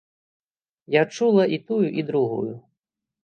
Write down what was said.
Я чула і тую, і другую.